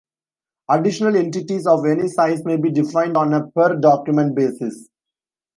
Additional entities of any size may be defined on a per-document basis.